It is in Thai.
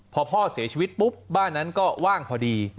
พอพ่อเสียชีวิตปุ๊บบ้านนั้นก็ว่างพอดี